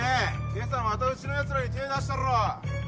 今朝またうちのやつらに手ぇ出したろ！